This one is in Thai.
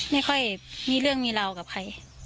ไม่ค่อยมีเรื่องมีราวกับใคร